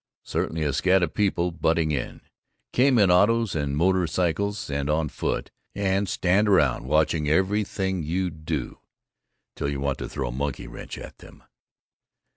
Certainly a scad of people butting in. Come in autos and motor cycles and on foot, and stand around watching everything you do till you want to fire a monkey wrench at them.